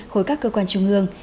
khối các cơ quan trung ương